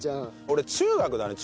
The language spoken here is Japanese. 俺中学だね。